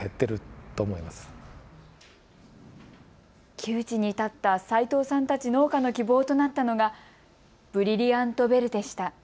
窮地に立った斉藤さんたち農家の希望となったのがブリリアント・ベルでした。